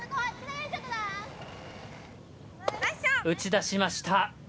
打ち出しました。